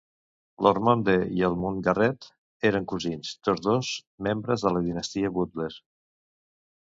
L'Ormonde i el Mountgarret eren cosins, tots dos membres de la dinastia Butler.